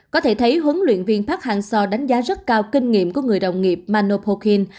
có thể thấy huấn luyện viên park hang seo đánh giá rất cao kinh nghiệm của người đồng nghiệp manopokin